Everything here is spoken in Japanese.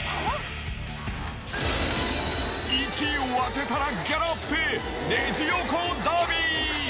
１位を当てたらギャラアップ、レジ横ダービー。